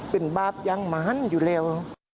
เป็นบาปยังมาหันอยู่แล้ว